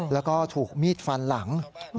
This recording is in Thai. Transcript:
แล้วก็ถูกมีดฟันหลัง